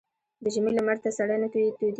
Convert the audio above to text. ـ د ژمي لمر ته سړى نه تودېږي.